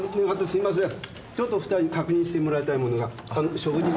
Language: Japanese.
すいません。